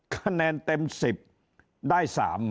คะแนนเต็ม๑๐ได้๓๐๐